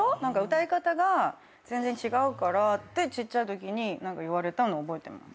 歌い方が全然違うからってちっちゃいときに言われたの覚えてます。